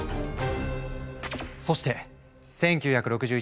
そして１９６１年４月。